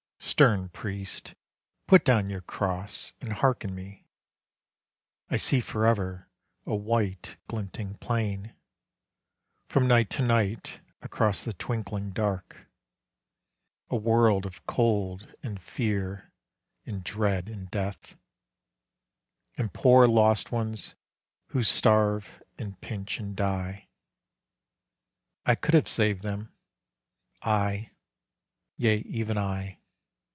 Stern priest, put down your cross and hearken me; I see forever a white glinting plain, From night to night across the twinkling dark, A world of cold and fear and dread and death, And poor lost ones who starve and pinch and die; I could have saved them I yea, even I.